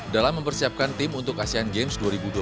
dalam mempersiapkan tim untuk asean games dua ribu dua puluh tiga